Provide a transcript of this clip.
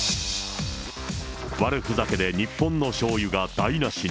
悪ふざけで日本のしょうゆが台なしに。